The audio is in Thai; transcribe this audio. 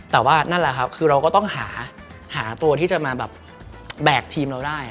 แต่ว่านั่นแหละครับคือเราก็ต้องหาตัวที่จะมาแบบแบกทีมเราได้